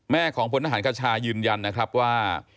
ของพลทหารคชายืนยันนะครับว่า